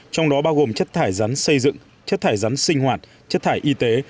trong đó bao gồm chất thải rắn xây dựng chất thải rắn sinh hoạt chất thải y tế